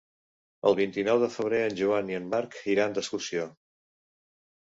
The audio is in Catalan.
El vint-i-nou de febrer en Joan i en Marc iran d'excursió.